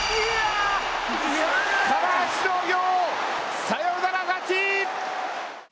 金足農業サヨナラ勝ち！